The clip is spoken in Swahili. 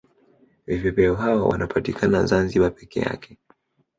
Vipepeo hao wanapatikana zanzibar peke yake